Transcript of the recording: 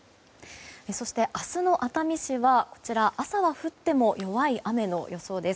そして明日の熱海市は、朝は降っても弱い雨の予想です。